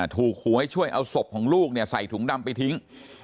ถูกขู่ให้ช่วยเอาศพของลูกใส่ถุงดำไปทิ้ง